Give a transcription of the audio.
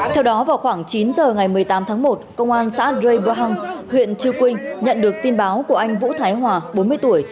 theo đó vào khoảng chín giờ ngày một mươi tám tháng một công an xã rê buahang huyện chư quynh nhận được tin báo của anh vũ thái hòa bốn mươi tuổi